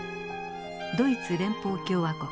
ドイツ連邦共和国